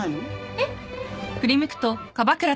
えっ？